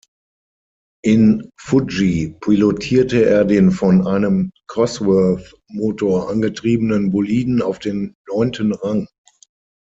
In Fuji pilotierte er den von einem Cosworth-Motor angetriebenen Boliden auf den neunten Rang.